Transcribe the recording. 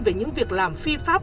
về những việc làm phi pháp